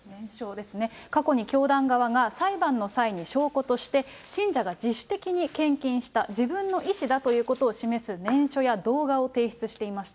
過去に教団側が、裁判の際に証拠として、信者が自主的に献金した、自分の意思だということを示す念書や動画を提出していました。